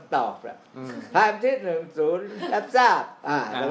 สักเที่ยงครึ่งคือสักเที่ยงครึ่งคือสักเที่ยงครึ่ง